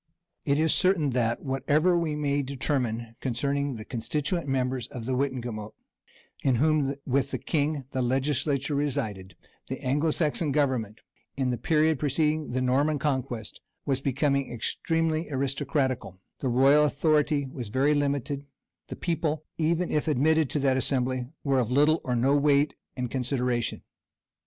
It is certain that, whatever we may determine concerning the constituent members of the wittenagemot, in whom, with the king, the legislature resided, the Anglo Saxon government, in the period preceding the Norman conquest, was becoming extremely aristocratical: the royal authority was very limited; the people, even if admitted to that assembly, were of little or no weight and consideration.